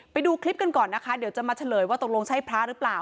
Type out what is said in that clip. ไปดูคลิปกันก่อนนะคะเดี๋ยวจะมาเฉลยว่าตกลงใช่พระหรือเปล่า